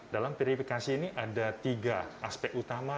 dalam verifikasi ini ada tiga aspek utama